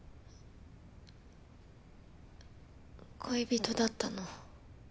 恋人だったの。